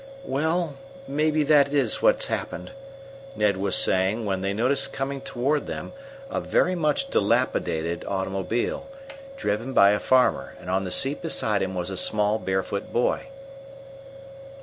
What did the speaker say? "Well, maybe that is what's happened," Ned was saying, when they noticed coming toward them a very much dilapidated automobile, driven by a farmer, and on the seat beside him was a small, barefoot boy.